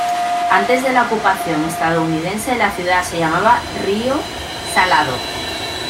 Antes de la ocupación estadounidense, la ciudad se llamaba Río Salado.